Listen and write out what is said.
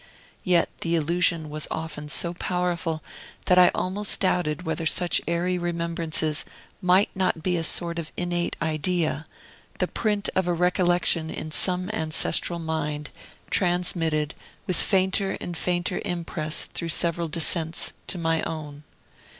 Yet the illusion was often so powerful, that I almost doubted whether such airy remembrances might not be a sort of innate idea, the print of a recollection in some ancestral mind, transmitted, with fainter and fainter impress through several descents, to my own.